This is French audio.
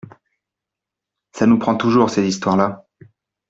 Ca nous prend toujours, ces histoires-là.